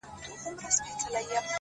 ستا د مخ له اب سره ياري کوي؛